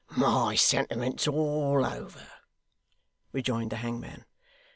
'My sentiments all over!' rejoined the hangman.